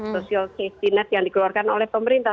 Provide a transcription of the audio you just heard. social safety net yang dikeluarkan oleh pemerintah